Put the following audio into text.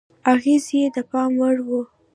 اغېز یې د پام وړ و.